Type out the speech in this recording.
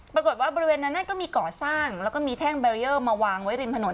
บริเวณนั้นก็มีก่อสร้างแล้วก็มีแท่งแบรีเยอร์มาวางไว้ริมถนน